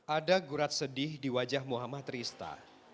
ada gurat sedih di wajah muhammad rista